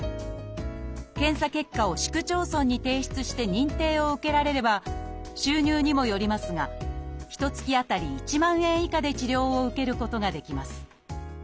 検査結果を市区町村に提出して認定を受けられれば収入にもよりますがひとつきあたり１万円以下で治療を受けることができます。